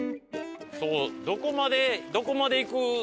どこまでどこまで行く？